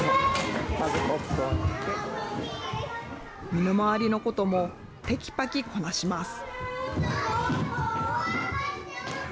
身の回りのこともてきぱきこなします。